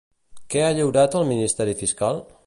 Què ha lliurat el Ministeri fiscal?